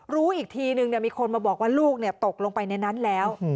รู้อีกทีนึงมีคนมาบอกว่าลูกตกลงไปในนั้นแล้ว